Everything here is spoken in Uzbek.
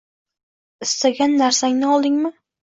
Istagan narsangni oldingmi